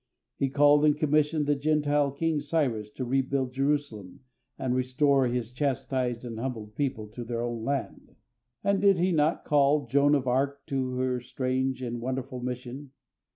He called and commissioned the Gentile king, Cyrus, to rebuild Jerusalem and restore His chastised and humbled people to their own land. And did He not call Joan of Arc to her strange and wonderful mission?